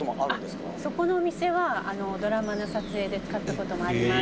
「そこのお店はドラマの撮影で使った事もあります」